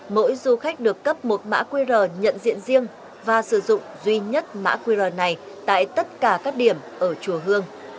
mỗi du khách được cấp một mã qr nhận diện riêng và sử dụng duy nhất mã qr này tại tất cả các điểm ở chùa hương